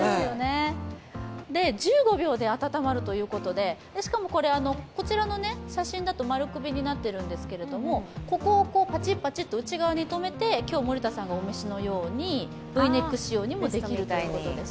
１５秒で温まるということでしかも、こちらの写真だと丸首になっているんですけれども、ここをパチパチと内側に留めて今日森田さんがお召しのようにＶネック仕様にもできるということです。